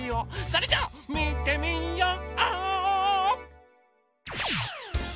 それじゃあみてみよう！